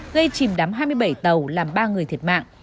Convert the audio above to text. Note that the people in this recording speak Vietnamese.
gây chìm đám hai mươi bảy tàu làm ba người thiệt mạng